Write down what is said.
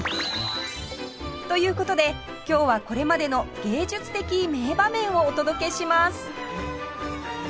という事で今日はこれまでの芸術的名場面をお届けします